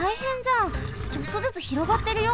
ちょっとずつ広がってるよ！